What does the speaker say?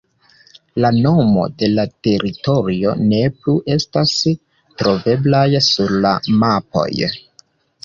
La nomo de la teritorio ne plu estas troveblaj sur la mapoj.